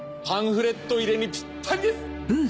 パンフレット入れにぴったりです！